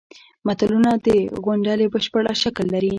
متلونه د غونډلې بشپړ شکل لري